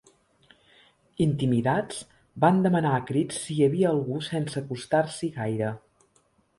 Intimidats, van demanar a crits si hi havia algú sense acostar-s'hi gaire.